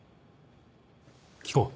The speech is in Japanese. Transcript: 聞こう。